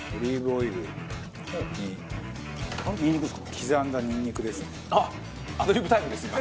刻んだにんにくですね。